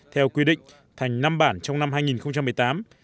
theo quy định thành năm bản trong năm hai nghìn một mươi tám